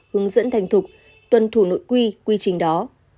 hướng dẫn thành thục tuân thủ nội quy quy trình đó